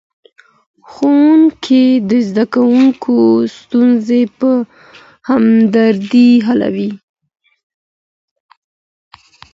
ښوونکی د زدهکوونکو ستونزې په همدردۍ حلوي.